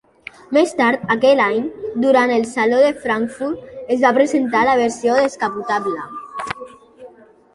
Més tard aquell any, durant el Saló de Frankfurt es va presentar la versió descapotable.